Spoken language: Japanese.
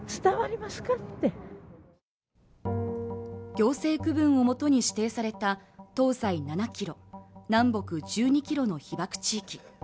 行政区分をもとに指定された東西７ｋｍ南北１２ｋｍの被爆地域